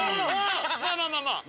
まあまあまあまあ！